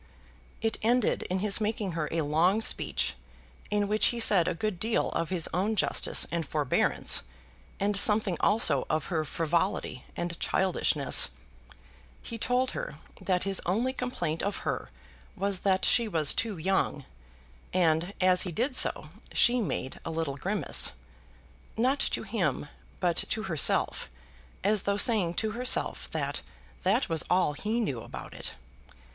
It ended in his making her a long speech, in which he said a good deal of his own justice and forbearance, and something also of her frivolity and childishness. He told her that his only complaint of her was that she was too young, and, as he did so, she made a little grimace, not to him, but to herself, as though saying to herself that that was all he knew about it.